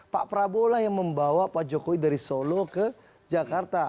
pak prabowo lah yang membawa pak jokowi dari solo ke jakarta